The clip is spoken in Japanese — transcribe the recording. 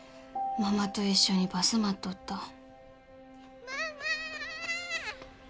ママと一緒にバス待っとったママー